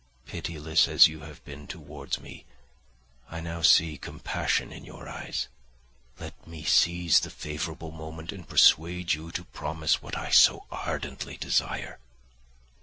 Pitiless as you have been towards me, I now see compassion in your eyes; let me seize the favourable moment and persuade you to promise what I so ardently desire."